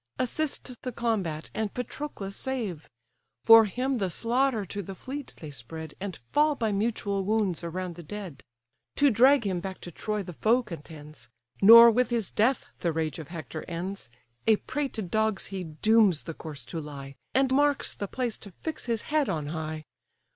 Assist the combat, and Patroclus save: For him the slaughter to the fleet they spread, And fall by mutual wounds around the dead. To drag him back to Troy the foe contends: Nor with his death the rage of Hector ends: A prey to dogs he dooms the corse to lie, And marks the place to fix his head on high.